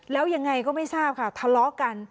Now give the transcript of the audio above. แล้วยังไงก็ไม่ทราบค่ะทะเลาะกัน